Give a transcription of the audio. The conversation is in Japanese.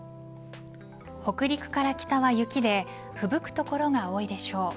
北陸から北は雪でふぶく所が多いでしょう。